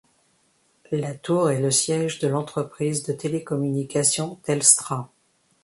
La tour est le siège de l'entreprise de télécommunications Telstra.